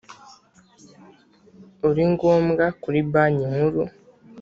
Uri ngombwa kuri Banki Nkuru